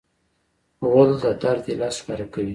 غول د درد علت ښکاره کوي.